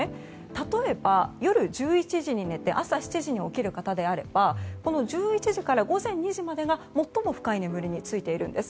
例えば、夜１１時に寝て朝７時に起きる方であれば１１時から午前２時までが最も深い眠りについているんです。